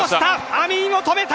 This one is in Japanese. アミンを止めた。